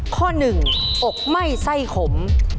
ข้อหนึ่งอกไหม้ไส้ขม